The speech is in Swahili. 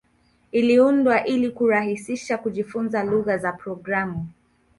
Iliundwa ili kurahisisha kujifunza lugha za programu.